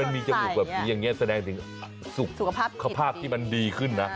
นี่